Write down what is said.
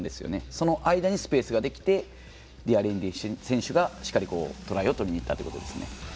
その間にスペースができてデアレンデ選手がしっかりトライを取ったということです。